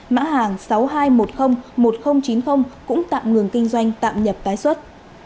mã hàng sáu hai một không một không chín không cũng tạm ngừng kinh doanh tạm nhập tái xuất